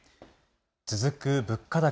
続く物価高。